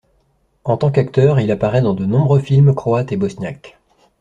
En tant qu'acteur, il apparait dans de nombreux films croates et bosniaques.